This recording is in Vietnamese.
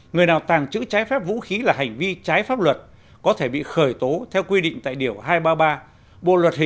người nào tàng trữ trái phép vũ khí là hành vi trái pháp luật có thể bị khởi tố theo quy định tại điều hai trăm ba mươi ba bộ luật hình sự quy định rõ